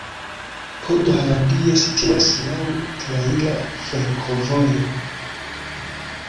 Podhradie situas laŭ traira flankovojo.